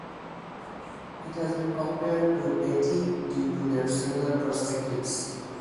It has been compared to "Betty" due to their similar perspectives.